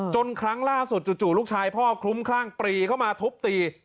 ครั้งล่าสุดจู่ลูกชายพ่อคลุ้มคลั่งปรีเข้ามาทุบตี